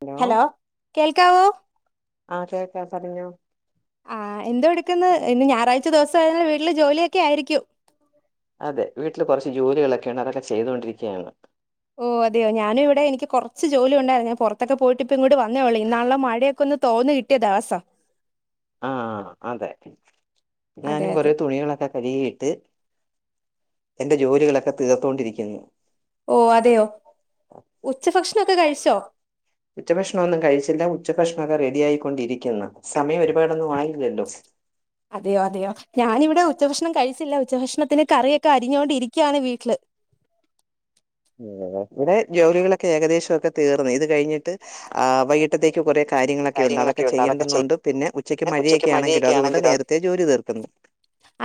Hello കേൾക്കാവോ ആഹ കേക്കാ പറഞ്ഞോ ആഹ് എന്തടുകുന്ന് ഇന്ന് ഞാറാഴ്ച ദിവസം [unintelligible] വീട്ടിൽ ജോലിയൊക്കെ ആയിരിക്കും അതെ വീട്ടില് കൊറച്ച് ജോലികളൊക്കെയൊണ്ട് അതൊക്കെ ചെയ്തോണ്ടിരിക്കയാ ഞങ്ങള് ഓ അതെയോ ഞാനിവിടെയെനിക്ക് കൊറച്ച് ജോലി ഉണ്ടാർന്ന് ഞാ പൊറതൊക്കെ പോയിട്ട് ഇപ്പഇങ്ങോട് വന്നേയുള്ളൂ ഇന്നാള്ളമഴയക്കെന്ന് തോന്ന്കി ന്റെദാസ്സ ആഹ അതെ അതെ ഞാനും അതെ കൊറേ തുണികളൊക്കെ [unintelligible] യിട്ട് എന്റെജോലികളൊക്കെ തീർത്തൊണ്ടിരിക്കുന്നു ഓഹ് അതെയോ ഉച്ചഭക്ഷണൊക്കെ കഴിച്ചോ? ഉച്ചഭക്ഷണമൊന്നും കഴിച്ചില്ല ഉച്ച ഭക്ഷണക്കേ റെഡിയായിയിക്കൊണ്ടിരിക്കുന്നു സമയംഒരു ഇപ്പടൊന്നും വാങ്ങില്ലല്ലോ അതെയോ അതെയോ ഞാനിവടെ ഉച്ചഭക്ഷണം കഴിച്ചില്ല ഉച്ചഭക്ഷണത്തിന് കറിയൊക്കെ അരിഞ്ഞോണ്ടിരിക്കാണ് വീട്ടില് ഇവിടെജോലികളൊക്കെ ഏകദേശ ഒക്കെതീർന്ന് ഇത് കഴിഞ്ഞിട്ട് ആ വൈകിട്ടത്തേക്ക് കുറെ കാര്യങ്ങളൊക്കെണ്ട് കാര്യങ്ങളൊക്കെ അതൊക്കെ ഉണ്ട് ചെയ് ചെയ്യേണ്ടനോണ്ട് പിന്ന ഉച്ചക്ക് ഉച്ചയ്ക്ക് മഴയൊക്കൊണെങ്കിലൊ മഴയൊക്കെ അതുകൊണ്ട് ആണെങ്കിലോ നേരത്തെജോലിതീർക്കുന്നു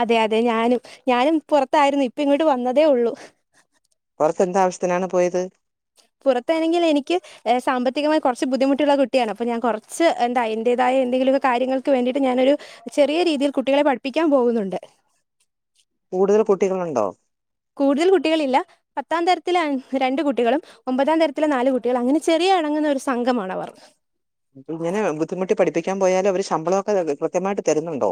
അതെ അതെ ഞാനും ഞാനും പുറത്തായിരുന്നു ഇപ്പ ഇങ്ങോട് വന്നതേഒള്ളു പുറത്ത് എന്താവശ്യത്തിനാണ് പോയത് പുറത്താണെങ്കിൽ എനിക്ക് സാമ്പത്തികമായി കൊറച്ച് ബുദ്ധിമുട്ടുള്ള കുട്ടിയാണ് അപ്പ ഞൻ കൊറച്ച്എന്ത അയിന്റെതായ എന്തെങ്കിലും കാര്യങ്ങൾക്ക് വേണ്ടിട്ട് ഞാനൊരു ചെറിയ രീതിയിൽ കുട്ടികളെ പഠിപ്പിക്കാൻപോകുന്നുണ്ട് കൂടുതൽ കുട്ടികളുണ്ടോ കൂടുതൽ കുട്ടികളില്ല പത്താംതരത്തിലെ രണ്ട് കുട്ടികളും ഒമ്പതാം തരത്തില് നാല്കുട്ടികൾ അങ്ങനെ ചെറിയഇ ണങ്ങുന്നഒരു സംഘമാണവർ ഇങ്ങനെ ബുദ്ധിമുട്ടി പഠിപ്പിക്കാൻ പോയാല് അവര് ശമ്പളൊക്കെ കൃത്യമായിട്ട് തരുന്നുണ്ടോ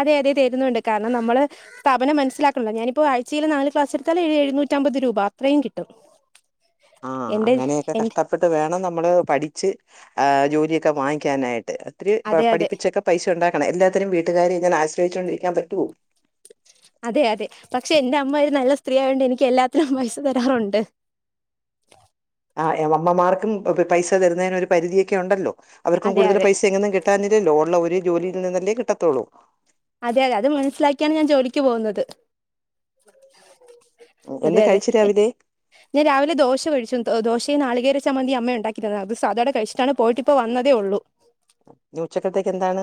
അതെ അതെ തരുന്നുണ്ട് കാരണം നമ്മള് സ്ഥാപനം മനസിലാകണല്ല ഞാനിപ്പോ ആഴ്ചയില് നാല് ക്ലാസ് എടുത്താല് ഏഴ് എഴുന്നൂറ്റമ്പത് രൂപ അത്രയുംകിട്ടും ആഹ് അങ്ങനെക്കെ കഷ്ട്ട കിട്ടിയിട്ട് വേണം നമ്മള് പഠിച്ച് ആ ജോലിക്കെ വാങ്ങിക്കാനായിട്ട് ഒത്തിരി പ അതെ അതെ പഠിപ്പിച്ചൊക്കെ പൈസഉണ്ടാക്കണംഎല്ലാത്തിനും വീട്ടുകാരെ ഇങ്ങനെ ആശ്രയിച്ചുകൊണ്ടരിക്കൻ പറ്റൊ അതെ അതെ പക്ഷെ എന്റെ അമ്മ ഒരു നല്ല സ്ത്രീആയോണ്ട് എനിക്ക് എല്ലാത്തിനും പൈസ തരാറുണ്ട് ആഹ് എഹ് ഞങ്ങളമ്മമ്മാര്ക്കും പ് പ് പൈസ തരുന്നേന് ഒര് പരിധിയൊക്കെ ഉണ്ടല്ലോ അവർക്കും അതെ കൂടുതല് അതെ പൈസ എങ്ങ്ന്നും കി കിട്ടാന്റെ [unintelligible] ലോണുള്ള ഒരു ജോലിയിൽ നിന്നല്ലേ കിട്ടതൊള്ളൂ അതെ അതെ അത് മനസിലാക്കിയാണ് ഞാൻജോലിക്ക്പോകുന്നത് ഉം, അതെ എന്ത് അതെ കഴിച്ചു എ രാവിലെ ഞാൻരാവിലെ ദോശ കഴിച്ചു ദോശയും നാളികേരചമന്തിയും അമ്മ ഉണ്ടാക്കിതന്നു അത് സാധോടെ കഴിച്ചിട്ടാണ് പോയിട്ട് പ്പൊവന്നതേഒള്ളൂ ഇന്ന് ഉച്ചക്കത്തേക്ക് എന്താണ്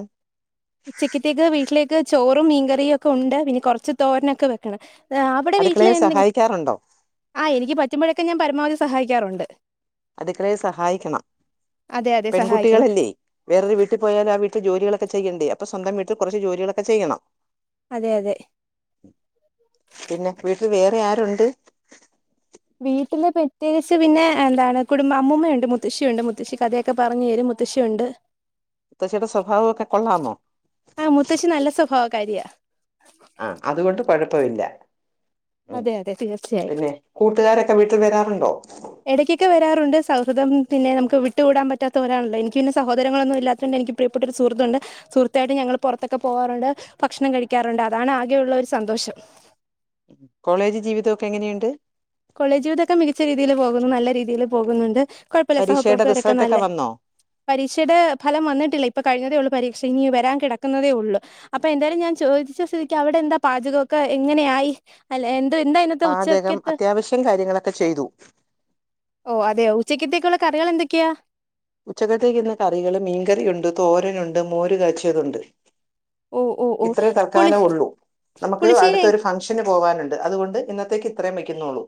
ഉച്ചക്കത്തേക്ക് വീട്ടിലേക്ക് ചോറും മീൻകറിയുംഒക്കെഉണ്ട് പിന്നെ കൊറച്ച് തോരനൊക്കെ വെക്കണം അവിടെ വീട്ടിൽ അടുക്കളയിൽ എന്തെ, സഹായിക്കാറുണ്ടോ ആ എനിക്ക് പറ്റുമ്പോഴൊക്കെ ഞാൻ പരമാവധി സഹായിക്കാറുണ്ട്. അടുക്കളയിൽ സഹായിക്കണം അതെ അതെ സഹായിക്കണം പെൺകുട്ടികളല്ലേ വേറൊരു വീട്ടിൽ പോയാലും ആവീട്ടിൽ ജോലികളൊക്കെ ചെയ്യണ്ടേ, അപ്പൊ സ്വന്തം വീട്ടിൽ കുറച്ചു ജോലികളോകെ ചെയ്യണം. അതെ, അതെ. പിന്നെ വീട്ടിൽ വേറെ ആരുണ്ട്? വീട്ടില് പ്രെത്യേകിച്ച് പിന്നെ എന്താണ് കുടുംബം അമ്മൂമ്മയുണ്ട്, മുത്തശ്ശി ഒണ്ട് മുത്തശ്ശി കഥയൊക്കെ പറഞ്ഞെരും മുത്തശ്ശിയുണ്ട്. [inaudible] മുത്തശ്ശിയുടെ സ്വഭാവക്കെ കൊള്ളാമോ? ആഹ് മുത്തശ്ശി നല്ല സ്വഭാവകാരിയ. ആ അതുകൊണ്ട് കൊഴപ്പഇല്ല. അതെ, അതെ തീർച്ചയായും. കൂട്ടുകാരൊക്കെ വീട്ടിൽ വരാറുണ്ടോ ഇടയ്ക്കൊക്കെ വരാറുണ്ട് സൗഹൃദം പിന്നെ നമുക്ക് വിട്ട്കൂടാൻ പറ്റാത്തരാണല്ലോ, എനിക്ക് പിന്നെ സഹോദരങ്ങളൊന്നും ഇല്ലാതൊണ്ട് എനിക്ക് പ്രിയപ്പെട്ട ഒരു സുഹൃത്തൊണ്ട്. സുഹൃത്തായിട്ടും ഞങ്ങൾ പുറത്തൊക്കെ പോകാറുണ്ട്, ഭക്ഷണം കഴിക്കാറുണ്ട് അതാണ് ആകെയുള്ള ഒരു സന്തോഷം. കോളേജ് ജീവിതം ഒക്കെ എങ്ങനെണ്ട്? കോളേജ് ജീവിതൊക്കെ മികച്ച രീതിയിൽ പോകുന്നു, നല്ല രീതിയിൽ പോകുന്നുണ്ട്. കുഴപ്പല്ല പരീക്ഷയുടെ സഹപ്രവർത്തകരോക്കെ റിസൾട്ട് ഒക്കെ നല്ലേ വന്നോ പരീക്ഷയുടെ ഫലം വന്നിട്ടില്ല, ഇപ്പൊ കഴിഞ്ഞതേ ഉള്ളു പരീക്ഷ ഇനി വരാൻ കിടക്കുന്നതേ ഉള്ളു. അപ്പൊ എന്തായാലും ഞാൻ ചോദിച്ച സ്ഥിതിക്ക് അവിടെ എന്താ പാചകൊക്കെ എങ്ങനെയായി. അല്ല എന്ത് എന്താ ഇന്നത്തെ ഉച്ചക്കത്തെ ത്തെ കാര്യങ്ങളൊക്കെ ചെയ്തു. ഓ അതെയോ ഉച്ചയ്ക്കത്തേക്കുള്ള കറികൾ എന്തൊക്കെയാ? ഉച്ചകത്തേക്ക് ഇന്ന് കറികള് മീൻകറിയുണ്ട്, തോരനുണ്ട്, മോരുകാച്ചിയതുണ്ട്. ഓ ഓ ഓ ഇത്രേ പുളി തൽക്കാലം ഉള്ളൂ. നമുക്ക് പുളിശ്ശേരി അടുത്തരു ഫങ്ഷൻ ന് പോവാനുണ്ട് അതുകൊണ്ട് ഇന്നത്തേക്ക് ഇത്രേ വയ്ക്കുന്നുള്ളൂ.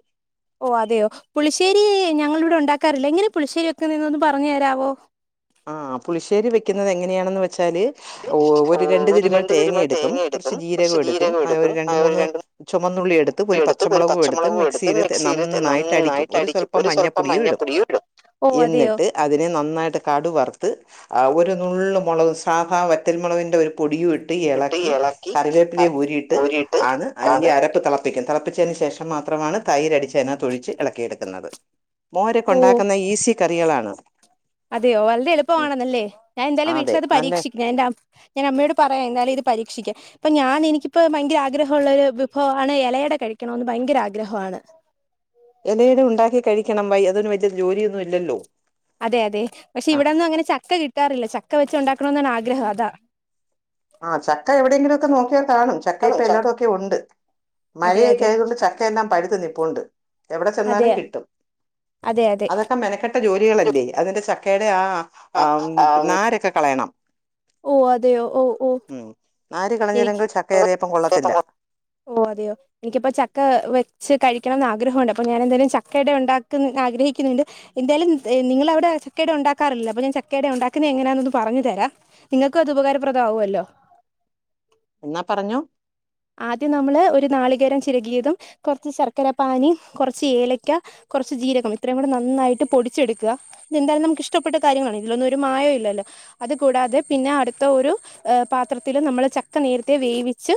ഓ അതെയോ പുളിശ്ശേരി ഞങ്ങൾ ഇവിടെ ഉണ്ടാക്കാറില്ല എങ്ങനെ പുളിശ്ശേരി വെക്കുന്നന്ന്തൊന്ന് പറഞ്ഞു തരാമോ ആഹ് പുളിശേരി വെക്കുന്നത് എങ്ങനെയാണെന്ന് വെച്ചാല് ഓ ഒരു രണ്ട് തിരുമൽ തേങ്ങ എടുക്കും, കുറച്ച് ജീരകം എടുക്കും, ആ ഒരു രണ്ട് മൂന്ന്. ചുമന്നുള്ളി എടുത്ത് ഒരു പച്ചമുളകും എടുത്ത് മിക്സിയില് നന്നായിട്ട് അടിക്കും. ഒരു സ്വ ൽപ്പം മഞ്ഞപ്പൊടിയും ഇടും. ഓ അതെയോ എന്നിട്ട് അതിനെ നന്നായിട്ട് കടു വറുത്ത് ഒരു നുള്ള് മൊളക് സാധാ വറ്റൽ മൊളകിന്റെ ഒരു പൊടിയും ഇ ഇളക്കി കറിവേപ്പിലേം ഊരിയിട്ട് ആണ് ഈ അത് അരപ്പ് തള പ്പിക്കും തിളപ്പിച്ചതിന് ശേഷം മാത്രമാണ് തൈരടിച്ചതിനകത്ത് ഒഴിച്ച് ഇളക്കിയെടുക്കുന്നത്. ഓ മോരക്കൊണ്ടാക്കുന്ന ഈസി കറികളാണ്. അതെയോ വളരെ ഉം, എളുപ്പആണന്നല്ലേ. ഞാൻ എന്തായാലും അതെ വീട്ടിലത് നല്ല പരീക്ഷിക്ക എന്റെ അ ഞാൻ അമ്മയോട് പറയാം എന്നാലും ഇത് പരീക്ഷിക്കാൻ. ഇപ്പൊ ഞാൻ എനിക്കിപ്പോ ഭയങ്കര ആഗ്രഹമുള്ള ഒരു വിഭവമാണ് ഇലയട കഴിക്കണന്ന് ഭയങ്കര ആഗ്രഹമാണ് ഇലയട ഉണ്ടാക്കി കഴിക്കണം വൈ അതിനു വലിയ ജോലിയൊന്നും ഇല്ലല്ലോ അതെ അതെ പക്ഷെ ആ ഇവിടെന്നും അങ്ങനെ ചക്ക കിട്ടാറില്ല ചക്ക വെച്ച് ഉണ്ടാക്കണ എന്നാണ് ആഗ്രഹം അതാ ആ ചക്ക എവിടെയെങ്കിലും ഒക്കെ നോക്കിയാൽ കാണും ചക്ക ഇപ്പൊ എല്ലാടും അതെ ഒക്കെ ഉണ്ട് മഴയൊക്കെ അതെ ആയതൊണ്ട് ചക്കയെല്ലാം പഴുത്ത് നിപ്പുണ്ട് എവിടെ അതെ ചെന്നാലും കിട്ടും. അതെ, അതെ. അതൊക്കെ മെനക്കെട്ട ജോലികളല്ലേ അതിന്റെ ചക്കയുടെ ആ നാരൊക്കെ കളയണം ഓ അതെയോ ഓ ഓ ഉം നാര് എനിക്ക് കളഞ്ഞില്ലെങ്കിൽ ചക്കെയെലയപ്പം കൊള്ളത്തില്ല. ഓ അതെയോ. എനിക്കിപ്പോ ചക്ക വെച്ച് കഴിക്കണംന്ന് ആഗ്രഹമുണ്ട് അപ്പൊ ഞാൻ എന്തായാലും ചക്ക അട ഉണ്ടാക്കൻ ആഗ്രഹിക്കുന്നുണ്ട് എന്തായാലും നിങ്ങളവിടെ ചക്കയട ഉണ്ടാക്കാറില്ലല്ലോ അപ്പ ഞാൻ ചക്കയട ഉണ്ടാകുന്നെ എങ്ങനാനൊന്ന് പറഞ്ഞു തരാം ഇങ്ങക്കു അത് ഉപകാരപ്രദമാവുമല്ലോ? എന്നാ പറഞ്ഞോ? ആദ്യം നമ്മള് ഒരു നാളികേരം ചിരകിയതും കുറച്ച് ശർക്കര പാനി കുറച്ച് ഏലക്ക കുറച്ച് ജീരകം ഇത്രയും കൂടെ നന്നായിട്ട് പൊടിച്ചെടുക്കുക. എന്തായാലും നമുക്ക് ഇഷ്ടപ്പെ കാര്യങ്ങളാണ് ഇതിലൊന്നും ഒരു മായ മില്ലല്ലോ. അത് കൂടാതെ പിന്നെ അടുത്ത ഒരു പാത്രത്തില് നമ്മള് ചക്ക നേരത്തെ വേവിച്ച്.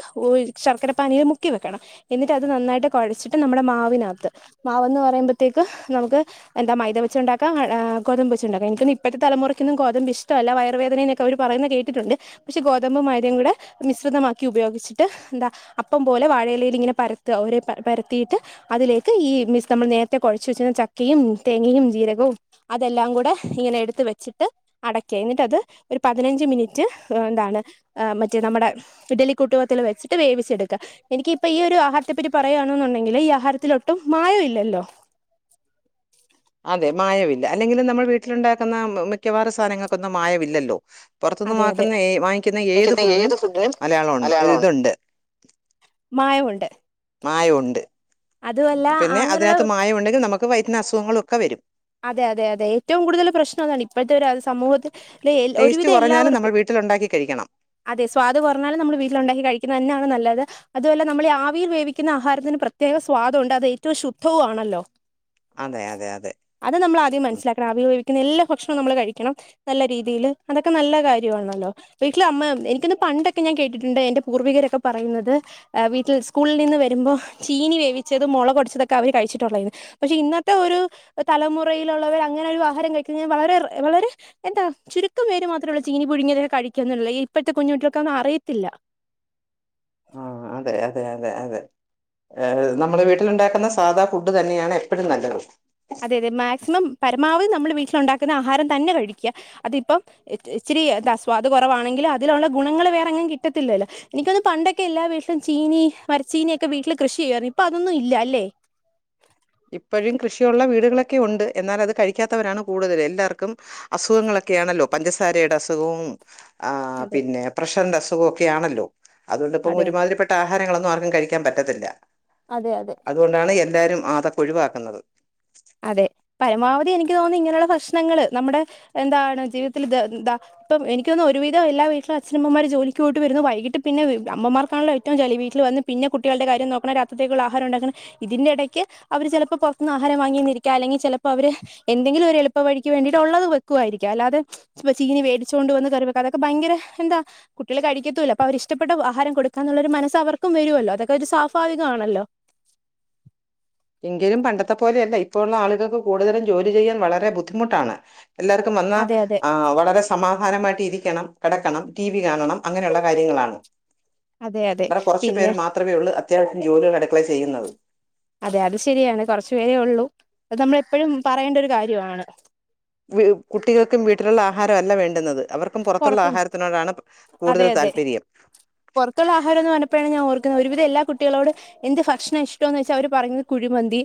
ശർക്കര പാനീയിൽ മുക്കി വെക്കണം എന്നിട്ട് അത് നന്നായിട്ട് കൊഴച്ചിട്ട് നമ്മുടെ മാവിനാത്ത്. ഉപ്പ്മാവെന്ന് പറയുമ്പത്തേക്ക് നമുക്ക്. എന്താ മൈദ വച്ചുണ്ടാക്ക ഗോതമ്പ് വെച്ച് ഉണ്ടാക്കാം എന ഇപ്പത്തെ തലമുറക്കൊന്നും ഗോതമ്പ് ഇഷ്ടല്ല വയറു വേദന. അവർ പറയുന്ന കേട്ടിട്ടുണ്ട് പക്ഷെ ഗോതമ്പ് മൈദയും കൂടെ മിശ്രിതമാക്കി ഉപയോഗിച്ചിട്ട്. എന്താ അപ്പം പോലെ വാഴയിലയിൽ ഇങ്ങനെ പരത്ത ഒരെ പരത്തിയിട്ട്. അതിലേക്ക് ഈ മീസ് നമ്മൾ നേരത്തെ കുഴച്ച് വെച്ചിരുന്ന ചക്കയും തേങ്ങയും ജീരകവും. അതെല്ലാം കൂടെ ഇങ്ങനെ എടുത് വെച്ചിട്ട്. അടക്ക എന്നിട്ടത് ഒരു പതിനഞ്ച് മിനിറ്റ് എന്താണ് മറ്റേ നമ്മുടെ. ഇഡലി കുട്ടുവത്തില് വെച്ചിട്ട് വേവിച്ചെടുക്ക. എനിക്കിപ്പ ഈ ഒരു ആഹാരത്തെ പറ്റി പറയുകയാണെന്നുണ്ടെങ്കില് ഈ ആഹാരത്തിലൊട്ടും മായം ഇല്ലല്ലോ. അതെ മായമില്ല അല്ലെങ്കിൽ നമ്മൾ വീട്ടിലുണ്ടാക്കുന്ന മിക്കവാറും സാധനങ്ങൾക്കൊന്നും മായമില്ലല്ലോ. പുറത്തുന്ന് അതെ അതെ വക്കുന്ന വാങ്ങിക്കുന്ന ഏത് ഫുഡിനും മലയാളണ്ട് ഇതുണ്ട്. മായമുണ്ട്. മായമുണ്ട് അതുമല്ല പിന്നെ അങ്ങനെയുള്ള അതിനകത്ത് മായമുണ്ടെങ്കിൽ നമുക്ക് വയറ്റിന് അസുഖങ്ങളൊക്കെ വരും. അതെ അതെ അതെ ഏറ്റവും കൂടുതൽ പ്രശ്നതാണ് ഇപ്പഴത്തെ ഒരു അ സമൂഹത്തില്. [unintelligible] ടേസ്റ്റ് ഒരുവിധം കുറഞ്ഞാലും നമ്മൾ എല്ലാവർക്കും. വീട്ടിലുണ്ടാക്കി കഴിക്കണം അതെ സ്വാദ് കുറഞ്ഞാലും നമ്മള് വീട്ടില് ഒണ്ടാക്കി കഴിക്കുന്നത് തന്നെയാണ് നല്ലത്. അതു മല്ല നമ്മൾഈ ആവിയിൽ വേവിക്കുന്ന ആഹാരത്തിന് പ്രത്യേക സ്വാദുണ്ട് അത് ഏറ്റവും ശുദ്ധവു ആണല്ലോ. അതെ അതെ അതെ. അത് നമ്മൾ ആദ്യം ഉം മനസ്സിലാക്കണം അവ ഉപയോഗിക്കുന്ന എല്ലാ ഭക്ഷണം നമ്മൾ കഴിക്കണം. നല്ല രീതിയില് അതൊക്കെ നല്ല കാര്യമാണല്ലോ. വീട്ടിലമ്മ എനിക്ക് തോന്നുന്നു പണ്ടൊക്കെ ഞാൻ കേട്ടിട്ട്ണ്ട് എന്റെ പൂർവികരൊക്കെ പറയുന്നത്. വീട്ടിൽ സ്കൂളിൽ നിന്ന് വരുമ്പോ ചീനി വേവിച്ചതും മുള കൊടിച്ചതൊക്കെ അവര് കഴിച്ചിട്ടുള്ളായിരുന്നു. പക്ഷെ ഇന്നത്തെ ഒരു തലമുറയിലുള്ളവർ അങ്ങനെ ഒരു ആഹാരം കഴിക്കാൽ വളരെ വളരെ. എന്താ ചുരുക്കം പേര് മാത്രമുള്ള ചീനി പുഴുങ്ങിയതൊക്കെ കഴിക്കുകന്നുള്ള ഇപ്പഴത്തെ കുഞ്ഞുട്ടികൾക്കൊന്നും അറിയത്തില്ല. ആ അതെ അതെ അതെ അതെ. ഏ നമ്മുടെ വീട്ടിലുണ്ടാക്കുന്ന സാധാ ഫുഡ് തന്നെയാണ് എപ്പ ഴും നല്ലത്. അതെ അതെ മാക്സിമം പരമാവധി നമ്മൾ വീട്ടിലുണ്ടാക്കുന്ന ആഹാരം തന്നെ കഴിക്കുക അതിപ്പം. ഇച്ചിരി ആസ്വാദ് കുറവാണെങ്കിൽ അതിലുള്ള ഗുണങ്ങള് വേറെങ്ങും കിട്ടത്തില്ലല്ലോ. എനിക്കൊന്ന് പണ്ടൊക്കെ എല്ലാ വീട്ടിലും ചീനി മരച്ചീനിയൊക്കെ വീട്ടില് കൃഷി ചെയ്യുമായിരുന്നു ഇപ്പൊ അതൊന്നും ഇല്ല അല്ലേ. ഇപ്പഴും കൃഷിയുള്ള വീടുകളൊക്കെ ഉണ്ട് എന്നാൽ അത് കഴിക്കാത്തവരാണ് കൂടുതൽ എല്ലാവർക്കും. അസുഖങ്ങളൊക്കെയാണല്ലോ പഞ്ചസാരയുടെ അസുഖവും. ആ അതെ പിന്നെ പ്രഷറിന്റെ അസുഖൊക്കെ ആണല്ലോ അതുകൊണ്ടിപ്പം അതെ അതെ ഒരുമാതിരി പെ ട്ട ആഹാരങ്ങളൊന്നും ആർക്കും കഴിക്കാൻ പറ്റത്തില്ല. അതെ അതെ. അതുകൊണ്ടാണ് എല്ലാവരും ആതൊക്ക ഒഴിവാക്കുന്നത്. അതെ പരമാവധി എനിക്ക് തോന്നുന്നു ഇങ്ങനെയുള്ള പ്രശ്നങ്ങള് നമ്മുടെ എന്താണ് ജീവിതത്തില് എാ ഇപ്പം എനിക്ക് തോന്നുന്നു ഒരുവിധം എല്ലാ വീട്ടിലും അച്ഛനമ്മമാര് ജോലക്ക് പോയിട്ട് വരുന്നു വൈകിട്ട് പിന്നെ അമ്മമാർക്കണല്ലോ ഏറ്റവും ജോലി വീട്ടിൽ വന്ന്. പിന്നെ കുട്ടികളുടെ കാര്യം നോക്കണം രാത്രിത്തേക്കുള്ള ആഹാരം ഉണ്ടാക്കണം ഇതിന്റെ ഇടയ്ക്ക് അവര് ചിലപ്പോ പുറത്തുന്ന് ആഹാരം വാങ്ങി. അല്ലെങ്കിൽ ചിലപ്പോ അവര് എന്തെങ്കിലും ഒരു എളുപ്പ വഴിക്ക് വേണ്ടിയിട്ട് ഒളളത് വെക്കുമായിരിക്ക അല്ലതെ. ഇപ്പൊ ചീനി വേടിച്ചോണ്ട് വന്ന് കറി െവക്ക അതൊക്കെ ഭയങ്കര എന്താ. കുട്ടികൾ കഴിക്കത്തുല്ല അപ്പൊ അവർക്കിഷ്ടപ്പെട്ട ആഹാരം കൊടുക്കാ എന്നുള്ള ഒരു മനസ്സ് അവർക്കും വരുമല്ലോ അതൊക്കെ ഒരു സ്വാഭാവികമാണല്ലോ. എങ്കിലും പണ്ടത്തെ പോലെയല്ല ഇപ്പോഴുള്ള ആളുകൾക്ക് കൂടുതലും ജോലി ചെയ്യാൻ വളരെ ബുദ്ധിമുട്ടാണ്. എല്ലാർക്കും വന്നാ അതെ അതെ ആ വളരെ സമാധാനമായിട്ട് ഇരിക്കണം കിടക്കണം ടി വി കാണണം അങ്ങനെയുള്ള കാര്യങ്ങളാണ് അതെ അതെ ഇബടെ കുറച്ചു പിന്നെ പേര് മാത്രമേ ഉള്ളൂ അത്യാവശ്യം ജോലികൾ അടുക്കളേ ചെയ്യുന്നത് അതെ അത് ശരിയാണ് കുറച്ചു പേരേ ഉള്ളൂ അത് നമ്മള എപ്പോഴും പറയേണ്ട ഒരു കാര്യാണ് കുട്ടികൾക്കും വീട്ടിലുള്ള ആഹാരല്ല വേണ്ടുന്നത് അവർക്കും പുറത്തുള്ള പുറത്തു ആഹാരത്തിനോടാണ് കൂടുതൽ താല്പര്യം പുറക്കുള്ള ആഹാര എന്ന് പറഞ്ഞപ്പഴാണ് ഞാ ഓർക്കുന്നത് ഒരുവിധ എല്ലാ കുട്ടികളോട് എന്റെ ഭക്ഷണം ഇഷ്ടന്ന് വെച്ചാ അവരെ പറയുന്നത് കുഴിമന്തി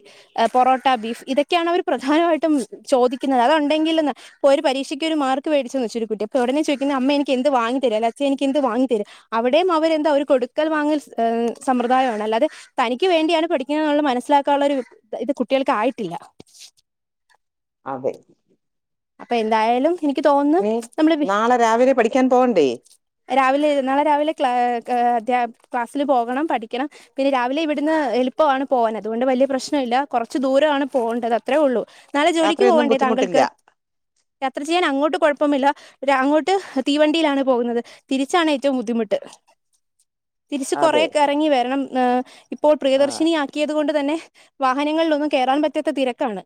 പൊറോട്ട ബീഫ് ഇതൊക്കെയാണ് അവർ പ്രധാനമായിട്ടും ചോദിക്കുന്നത് അതൊണ്ടെങ്കിലും ഒരു പരീക്ഷക്ക് ഒരു മാർക്ക് മേടിച്ചെന്ന് വച്ച് ഒരു കുട്ടി അപ്പൊ ഉടനെ ചോദിക്കുന്നത് അമ്മ എനിക്ക് എന്ത് വാങ്ങിത്തരും എൻ്റെ അച്ച എനിക്കെന്ത് വാങ്ങി തരും? അവിടെയും അവരെന്താ ഒരു കൊടുക്കൽ വാങ്ങൽ സമ്പ്രദായമാണ് അല്ലാതെ തനിക്ക് വേണ്ടിയാണ് പഠിക്കുന്നത് എന്നുള്ളത് മനസ്സിലാക്കാനുള്ള ഒരു ഇത് കുട്ടികൾകായിട്ടില്ല അതെ അപ്പൊ എന്തായാലും എനിക്ക് തോന്നന്ന് നീ നമ്മളെ നാളെ രാവിലെ പഠിക്കാൻ പോവണ്ടേ? രാവിലെ നാളെ രാവിലെ ക്ല അധ ക്ലാസ്സിൽ പോകണം പഠിക്കണം പിന്നെ രാവിലെ ഇവിടുന്ന് എളുപ്പാണ് പോവാൻ അതുകൊണ്ട് വലിയ പ്രശ്നം ഇല്ല കുറച്ച് ദൂരാണ് പോണ്ടത് അത്രേ ഉള്ളു നാളെ ജോലിക്ക് യാത്രയൊന്നും പോവണ്ടേ ബുദ്ധിമുട്ടില്ല താങ്കൾക്ക് യാത്ര ചെയ്യാൻ അങ്ങോട്ട് കുഴപ്പമില്ല ഒരു അങ്ങോട്ട് തീവണ്ടിയിലാണ് പോകുന്നത് തിരിച്ചാണ് ഏറ്റവും ബുദ്ധിമുട്ട് തിരിച്ച് അതെ കുറേക്കെ ഇറങ്ങി വരണം ഏഹ് ഇപ്പോൾ ആ പ്രിയദർശിനിയാ ക്കിയത്കൊണ്ട് തന്നെ വാഹനങ്ങളിലൊന്നും കേറാൻ പറ്റാത്ത തിരക്കാണ്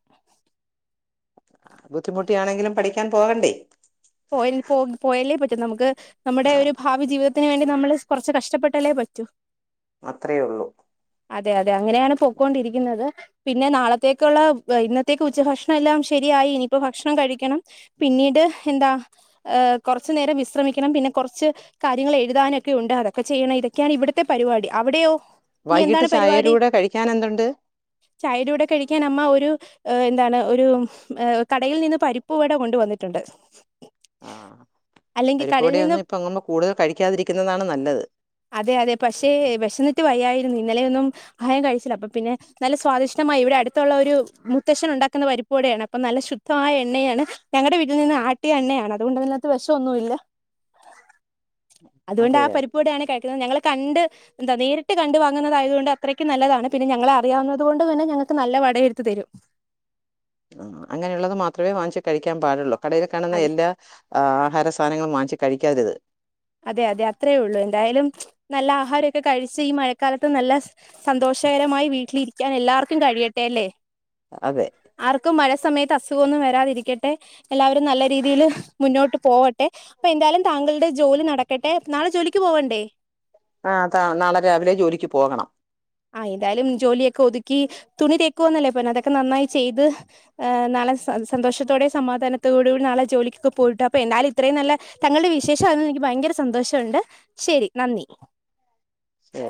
ബുദ്ധിമുട്ടിയാണെങ്കിലും പഠിക്കാൻ പോകണ്ടേ? പോയൽ പോ പോയലേ പറ്റു നമുക്ക് നമ്മുടെ ഒരു ഭാവി ജീവിതത്തിന് വേണ്ടി നമ്മള് കുറച്ച് കഷ്ടപ്പെട്ടലേ പറ്റൂ അത്രേയുള്ളൂ അതെ അതെ അങ്ങനെയാണ് പൊക്കൊണ്ടിരിക്കുന്നത് പിന്നെ നാളത്തേക്കുള്ള ഇന്നത്തേക്ക് ഉച്ച ഭക്ഷണം എല്ലാം ശരിയായി ഇനിയിപ്പോ ഭക്ഷണം കഴിക്കണം പിന്നീട് എന്താ ഹ കുറച്ചു നേരം വിശ്രമിക്കണം പിന്നെ കുറച്ച് കാര്യങ്ങൾ എഴുതാനൊക്കെ ഉണ്ട് അതൊക്കെ ചെയ്യണ ഇതൊക്കെയാണ് ഇവിടത്തെ പരിപാടി അവിടെയോ? ഇനി വൈകിട്ട് എന്താണ് ചായടെ കൂടെ കഴിക്കാൻ എന്തുണ്ട്? ചായുടെ കൂടെ കഴിക്കാൻ അമ്മ ഒരു ഏ എന്താണ് ഒരു ഏ കടയിൽ നിന്ന് പരിപ്പുവട കൊണ്ടുവന്നിട്ടുണ്ട് ആഹ അല്ലെങ്കിൽ പരിപ്പ് വട കടയിൽ നിന്ന് ഒന്നും ഇപ്പം കൂടുതൽ കഴിക്കാതിരിക്കുന്നതാണ് നല്ലത്. അതെ അതെ പക്ഷേ വിശന്നിട്ട് വയ്യായിരുന്നു ഇന്നലെയൊന്നും അഹാരം കഴിച്ചില്ല അപ്പൊ പിന്നെ നല്ല സ്വാദിഷഠമായി ഇവിടെ അടുത്തുള്ള ഒരു മുത്തശ്‌ചൻ ഉണ്ടാക്കുന്ന പരിപ്പുടെയാണ് അപ്പൊ നല്ല ശുദ്ധ മായ എണ്ണയാണ് ഞങ്ങളുടെ വീട്ടിൽ നിന്ന് ആട്ടി ട്ടിയ എണ്ണയാണ് അതുകൊണ്ട് അതിനകത്ത് വിഷന്നുല്ല അതുകൊണ്ട് അതെ ആ പരി ടെയാണ് കഴിക്കുന്നത് ഞങ്ങൾ കണ്ട് എന്താ നേരിട്ട് കണ്ടു വാങ്ങുന്നത ആയത കൊണ്ട് അത്രയ്ക്ക് നല്ലതാണ് പിന്നെ ഞങ്ങളെ അറിയാവുന്നത കൊണ്ട് തന്നെ ഞങ്ങൾക്ക് നല്ല വട എരുത്ത് തരും ആ അങ്ങനെയുള്ളത് മാത്രമേ വാങ്ങിച്ച് കഴിക്കാൻ പാടുള്ളൂ കടേലു കാണുന്ന അതെ എല്ലാ ആഹാര സാധനങ്ങൾ വാങ്ങിച്ച് കഴിക്കാരുത് അതെ അതെ അത്രയേ ഉള്ളൂ എന്തായാലും നല്ല ആഹാരമൊക്കെ കഴിച്ച് ഈ മഴക്കാലത്ത് നല്ല സന്തോഷകരമായി വീട്ടിലിരിക്കാൻ എല്ലാവർക്കും കഴിയട്ടെ അല്ലേ അതെ ആർക്കും മഴ സമയത്ത് അസുഖന്നും വരാതിരിക്കട്ടെ എല്ലാവരും നല്ല രീതിയിൽ മുന്നോട്ട് പോവട്ടെ അപ്പൊ എന്തായാലും താങ്കളുടെ ജോലി നടക്കട്ടെ നാളെ ജോലിക്ക് പോവണ്ടേ? ആ നാളെ രാവിലെ ജോലിക്ക് പോകണം ആ എന്തായാലും ജോലിയൊക്കെ ഒതുക്കി തുണി തേക്കുവാന്നല്ലേ പി അതൊക്കെ നന്നായി ചെയ്ത് നാളെ സന്തോഷത്തോടെ സമാധാനത്തോട കൂടി നാളെ ജോലിക്കൊക്കെ പോയിട്ടു അപ്പൊ എന്നാലും ഇത്രയും നല്ല തങ്ങളുടെ വിശേഷം അറിഞ്ഞത് എനിക്ക് ഭയങ്കര സന്തോഷാണ്ട് ശെരി നന്ദി. ഏ